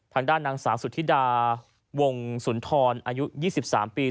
ทางด้านนางสาวสุธิดาวงสุนทรอายุ๒๓ปี